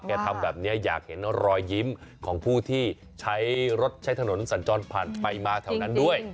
ทำแบบนี้อยากเห็นรอยยิ้มของผู้ที่ใช้รถใช้ถนนสัญจรผ่านไปมาแถวนั้นด้วย